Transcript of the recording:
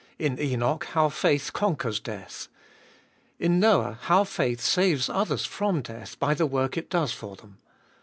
In Enoch, how faith conquers death. In Noah, how faith saves others from death by the work it does for them.